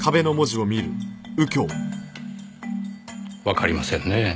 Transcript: わかりませんねえ。